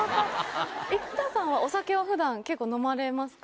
生田さんはお酒は普段結構飲まれますか？